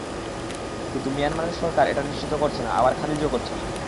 কিন্তু মিয়ানমারের সরকার এটা নিশ্চিত করছে না, আবার খারিজও করছে না।